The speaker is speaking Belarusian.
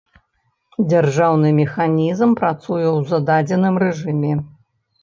Дзяржаўны механізм працуе ў зададзеным рэжыме.